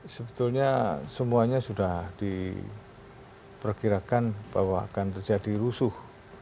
sebetulnya semuanya sudah diperkirakan bahwa akan terjadi rusuh